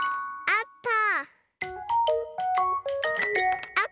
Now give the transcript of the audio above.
あった！